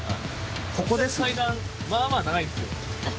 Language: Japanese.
ここですね階段まあまあ長いんですよ